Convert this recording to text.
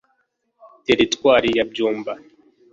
Teritwari ya Byumba